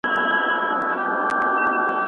یو ډنډ د لاژوردو یې په سر دی اسماني